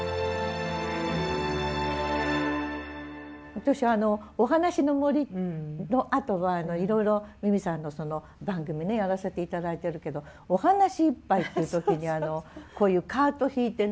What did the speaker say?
私あの「おはなしのもり」のあとはいろいろ美巳さんの番組やらせて頂いてるけど「おはなしいっぱい」って時にこういうカート引いてね